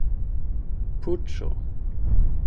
puĉo